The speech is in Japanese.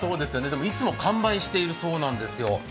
でもいつも完売しているそうなんですよ。